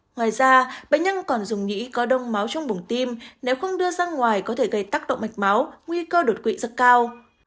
ngoài ra bệnh nhân còn dùng nghĩ có đông máu trong buồng tim nếu không đưa ra ngoài có thể gây tác động mạch máu nguy cơ đột quỵ rất cao